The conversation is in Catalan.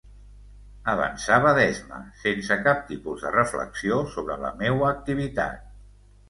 Avançava d'esma, sense cap tipus de reflexió sobre la meua activitat.